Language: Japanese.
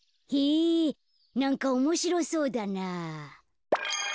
なんかおもしろそうだな。